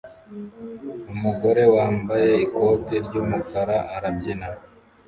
Umugore wambaye ikoti ry'umukara arabyina